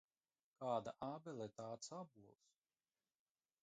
Kāda ābele, tāds ābols.